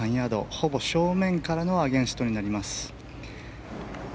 ほぼ正面からのアゲンストになります。